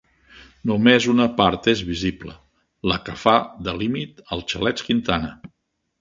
Només una part és visible, la que fa de límit als Xalets Quintana.